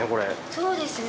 そうですね。